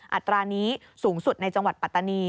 อัตรานี้สูงสุดในจังหวัดปัตตานี